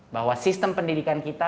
bahwa sistem pendidikan kita